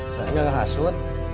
saya nggak menghasut